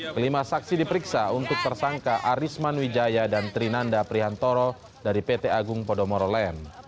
kelima saksi diperiksa untuk tersangka arisman wijaya dan trinanda prihantoro dari pt agung podomoro land